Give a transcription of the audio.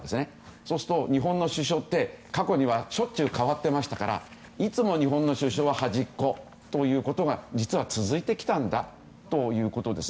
そうすると日本の首相って過去にはしょっちゅう代わっていましたからいつも日本の首相は端っこということが実は続いてきたということです。